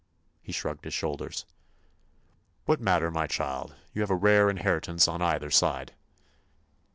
He shrugged his shoulders. "What matter, my child? You have a rare inheritance, on either side."